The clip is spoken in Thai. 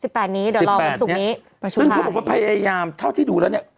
แปดนี้เดี๋ยวรอวันศุกร์นี้ประชุมซึ่งเขาบอกว่าพยายามเท่าที่ดูแล้วเนี้ย